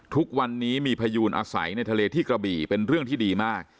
ทุกวันนี้มีพยูนอาศัยในทะเลที่กระบี่เป็นเรื่องที่ดีมาก